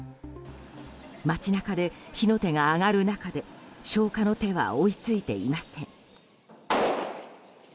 街中で火の手が上がる中で消火の手は追いついていません。